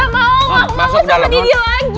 enggak mau aku mau sama deddy lagi